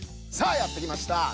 さあやってきました！